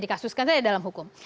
dikasuskan saja dalam hukum